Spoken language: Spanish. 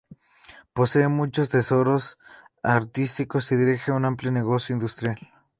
Posee muchos tesoros artísticos y dirige un amplio negocio industrial.